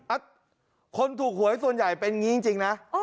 คนถูกหวยส่วนใหญ่เป็นอย่างนี้จริงนะ